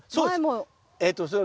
そうです！